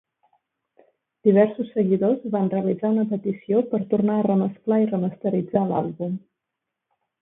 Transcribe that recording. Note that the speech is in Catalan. Diversos seguidors van realitzar una petició per tornar a remesclar i remasteritzar l'àlbum.